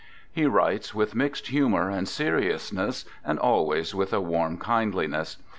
He writes with mixed humor and seriousness and always with a warm kindliness.